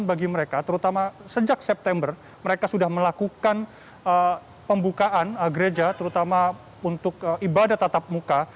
bagi mereka terutama sejak september mereka sudah melakukan pembukaan gereja terutama untuk ibadah tatap muka